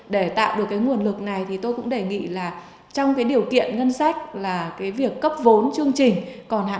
để tạo được cái nguồn lực này thì tôi cũng đề nghị là trong cái điều kiện ngân sách là cái việc cấp vốn chương trình còn hạn